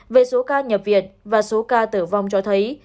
về số ca nhập viện và số ca tử vong cho thấy